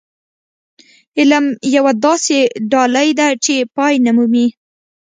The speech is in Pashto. علم يوه داسې ډالۍ ده چې پای نه مومي.